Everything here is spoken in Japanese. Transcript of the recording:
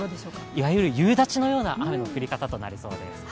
いわゆる夕立のような雨の降り方となりそうです。